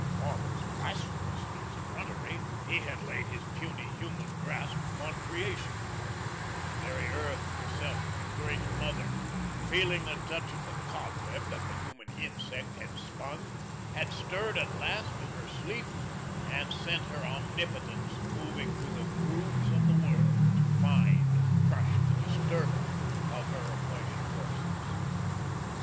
Almost blasphemous in his effrontery, he had tampered with these laws, and had roused a Titan. He had laid his puny human grasp upon Creation and the very earth herself, the great mother, feeling the touch of the cobweb that the human insect had spun, had stirred at last in her sleep and sent her omnipotence moving through the grooves of the world, to find and crush the disturber of her appointed courses.